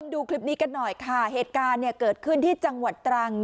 ดูคลิปนี้กันหน่อยค่ะเหตุการณ์เนี่ยเกิดขึ้นที่จังหวัดตรัง